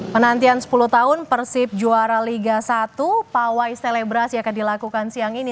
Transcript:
penantian sepuluh tahun persib juara liga satu pawai selebrasi akan dilakukan siang ini